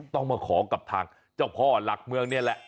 ต้องมาขอกับทางเจ้าพ่อหลักเมืองนี่แหละ